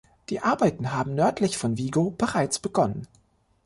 Die Arbeiten haben nördlich von Vigo bereits begonnen.